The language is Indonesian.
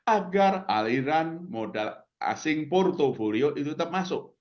agar aliran modal asing portofolio itu tetap masuk